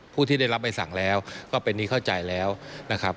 ผู้ที่ได้รับใบสั่งแล้วก็เป็นที่เข้าใจแล้วนะครับ